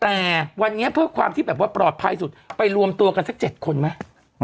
แต่วันนี้เพื่อปกติแบบว่าปลอดภัยไปรวมตัวกันสักเจ็ดคนแล้ว